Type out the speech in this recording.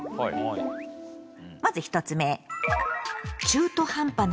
まず１つ目。